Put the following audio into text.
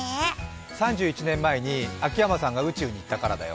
３１年前に秋山さんが宇宙に行ったからだよ。